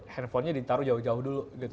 handphonenya ditaruh jauh jauh dulu gitu